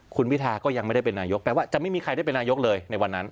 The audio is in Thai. คุณพิทาก็ยังไม่ได้เป็นนายกแปลว่าจะไม่มีใครได้เป็นนายกเลยในวันนั้น